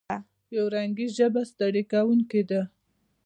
یو رنګي ژبه ستړې کوونکې ده.